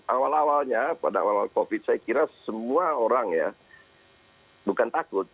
awal awalnya pada awal covid sembilan belas saya kira semua orang ya bukan takut